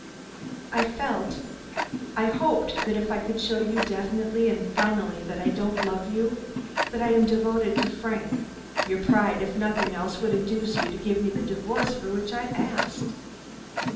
"I felt I hoped that if I could show you definitely and finally that I don't love you, that I am devoted to Frank, your pride, if nothing else, would induce you to give me the divorce for which I asked.